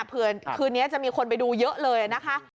คืนนี้จะมีคนไปดูเยอะเลยนะคะ